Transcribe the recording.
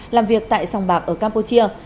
làm việc tại sòng bạc ở campuchia